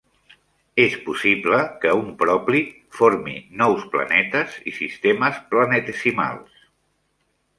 És possible que un pròplid formi nous planetes i sistemes planetesimals.